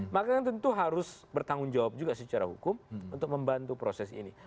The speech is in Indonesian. makanya tentu harus bertanggung jawab juga secara hukum untuk membantu proses ini